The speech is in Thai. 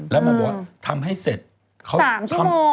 แล้วเขาบอกว่าทำให้เสร็จ๓ชั่วโมง